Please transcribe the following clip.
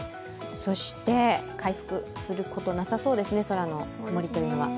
そして回復することなさそうですね、空の曇りというのは。